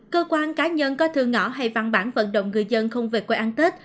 cơ quan cá nhân có thư ngõ hay văn bản vận động người dân không về quê ăn tết